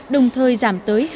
đồng thời giảm tới